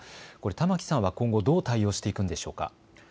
玉城さんは今後、どう対応していくのでしょうか。